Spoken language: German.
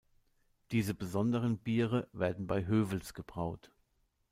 Diese besonderen Biere werden bei Hövels gebraut.